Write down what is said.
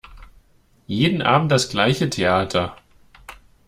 Jeden Abend das gleiche Theater!